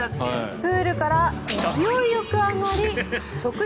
プールから勢いよく上がり直立